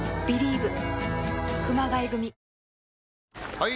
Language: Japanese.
・はい！